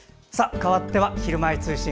かわっては、「ひるまえ通信」。